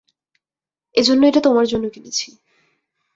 এজন্যই এটা তোমার জন্য কিনেছি।